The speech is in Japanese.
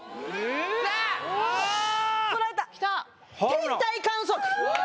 「天体観測」